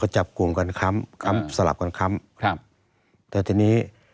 ใช่